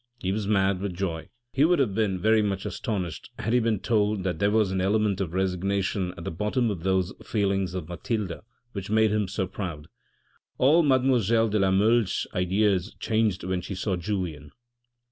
He was mad with joy; he would have been very much astonished had he been told that there was an element of resignation at the bottom of those feelings of Mathilde which made him so proud. All mademoiselle de la Mole's ideas changed when she saw Julien.